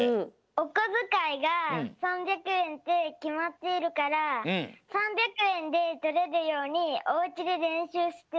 おこづかいが３００えんってきまっているから３００えんでとれるようにおうちでれんしゅうしているの。